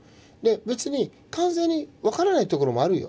別に完全に分からないところもあるよ。